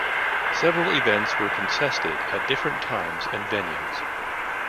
Several events were contested at different times and venues.